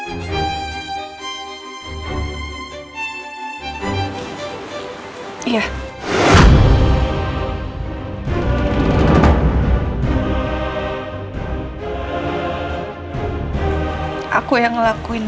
apa yang kamu lakukan